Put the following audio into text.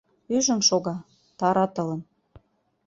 Ӱжын шога, таратылын.